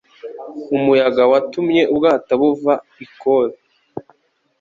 Umuyaga watumye ubwato buva i Kobe.